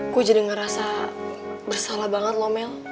gue jadi ngerasa bersalah banget loh mel